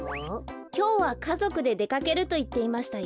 きょうはかぞくででかけるといっていましたよ。